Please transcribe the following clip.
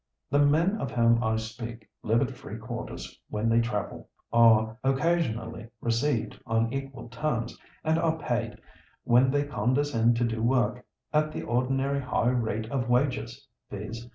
The men of whom I speak live at free quarters when they travel, are occasionally received on equal terms, and are paid, when they condescend to do work, at the ordinary high rate of wages, viz.